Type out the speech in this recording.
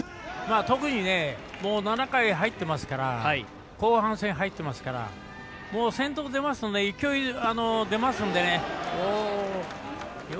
特にもう７回入ってますから後半戦入ってますからもう先頭が出ますと勢い出ますので。